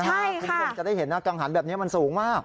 คุณผู้ชมจะได้เห็นนะกังหันแบบนี้มันสูงมาก